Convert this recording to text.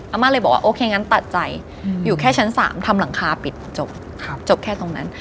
มาเลยบอกว่าโอเคงั้นตัดใจอยู่แค่ชั้น๓ทำหลังคาปิดจบจบแค่ตรงนั้น